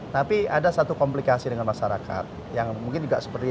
tapi ada satu komplikasi dengan masyarakat yang mungkin juga seperti ini